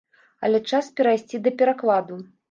Але час перайсці да перакладу.